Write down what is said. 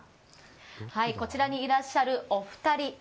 こちらにいらっしゃるお二人。